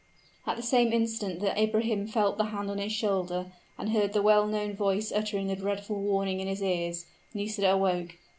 At the same instant that Ibrahim felt the hand on his shoulder, and heard the well known voice uttering the dreadful warning in his ears, Nisida awoke.